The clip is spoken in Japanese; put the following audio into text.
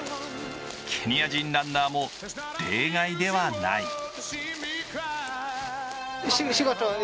ケニア人ランナーも例外ではない。